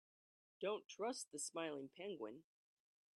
Don't trust the smiling penguin.